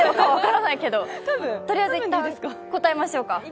とりあえずいったん答えましょうか。